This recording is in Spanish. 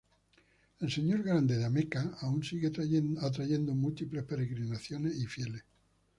El Señor Grande de Ameca aún sigue atrayendo múltiples peregrinaciones y fieles.